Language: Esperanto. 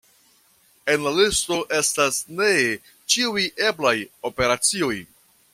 En la listo estas ne ĉiuj eblaj operacioj.